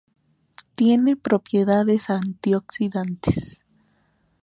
Tiene propiedades antioxidantes.